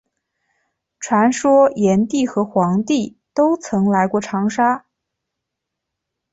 传说炎帝和黄帝都曾来过长沙。